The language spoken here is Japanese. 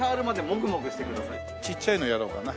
ちっちゃいのやろうかな。